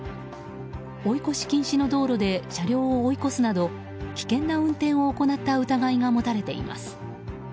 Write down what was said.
追い越し禁止の道路で車両を追い越すなど危険な運転を行った疑いが持たれています。